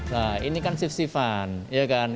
nah ini kan shift shiftan